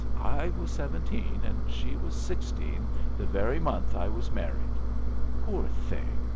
I was seventeen and she was sixteen the very month I was married. Poor thing!